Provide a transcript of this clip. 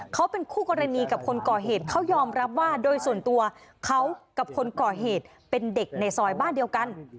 เขาเป็นคู่กรณีกับคนก่อเหตุเขายอมรับว่าโดยส่วนตัวเขากับคนก่อเหตุเป็นเด็กในซอยบ้านเดียวกัน